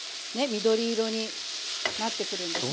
緑色になってくるんですね。